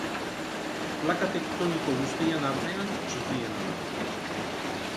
Plaka tektoniko guztien artean txikiena da.